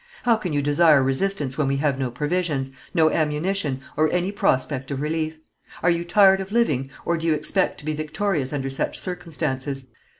How can you desire resistance when we have no provisions, no ammunition, or any prospect of relief? Are you tired of living, or do you expect to be victorious under such circumstances?